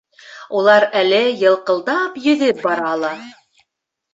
Улар әле йылҡылдап йөҙөп бара ала.